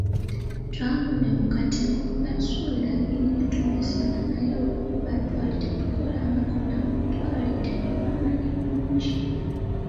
Twagudde mu katego, yatusuubiza bingi ne tumwesiga, naye olw'okuba twali tetukolangako nabo, twali tetubamanyi bulungi.